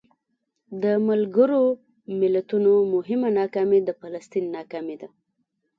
د ملګرو ملتونو مهمه ناکامي د فلسطین ناکامي ده.